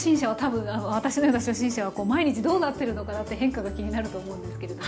私のような初心者は毎日どうなってるのかなって変化が気になると思うんですけれども。